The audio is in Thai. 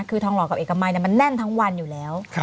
คือทองหล่อกับเอกมัยมันแน่นทั้งวันอยู่แล้ว